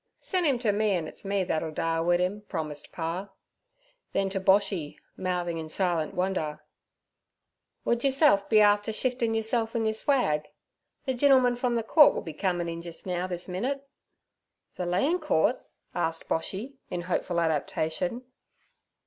'Sen' 'im ter me, an' it's me that'll dale wid 'im' promised pa. Then to Boshy, mouthing in silent wonder: 'Wud yourself be afther shiftin' yerself an' yer swag? The gintleman from ther Coort will be comin' in jis now this minit.' 'Ther Lan' Coort?' asked Boshy, in hopeful adaptation.